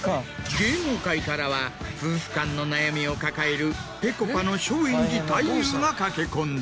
芸能界からは夫婦間の悩みを抱えるぺこぱの松陰寺太勇が駆け込んだ。